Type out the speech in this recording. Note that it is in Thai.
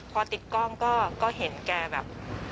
พอติดกล้องก็เห็นแกแบบ